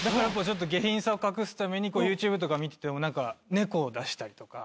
下品さを隠すためにＹｏｕＴｕｂｅとか見てても猫を出したりとか。